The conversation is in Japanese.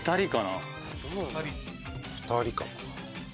２人かな。